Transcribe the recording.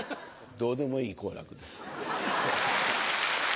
どうでもいい好楽です。